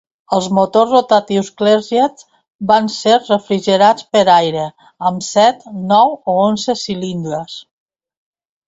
Els motors rotatius Clerget van ser refrigerats per aire amb set, nou o onze cilindres.